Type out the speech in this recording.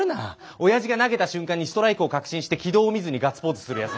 おやじが投げた瞬間にストライクを確信して軌道を見ずにガッツポーズするやつ。